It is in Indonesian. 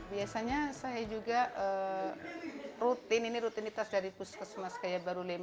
biasanya saya juga rutin ini rutinitas dari puskesmas kayak baru lima